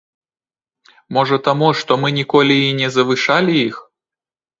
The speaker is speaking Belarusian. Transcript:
Можа таму, што мы ніколі і не завышалі іх?